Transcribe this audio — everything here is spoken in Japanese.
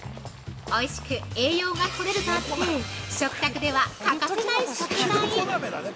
おいしく栄養がとれるとあって食卓では欠かせない食材！